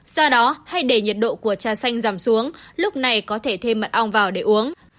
do đó hay để nhiệt độ của trà xanh giảm xuống lúc này có thể thêm mật ong vào để uống